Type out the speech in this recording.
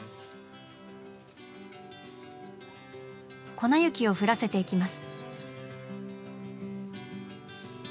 粉雪を降らせていきます。